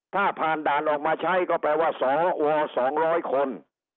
ถ้าผ่านด่านออกมาใช้ก็แปลว่าสว๒๐๐คน